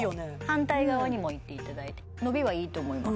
反対側にもいっていただいて伸びはいいと思います